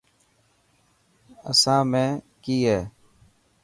اسام ۾ ڪي هي.